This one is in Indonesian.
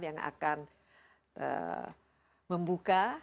yang akan membuka